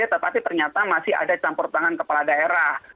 tetapi ternyata masih ada campur tangan kepala daerah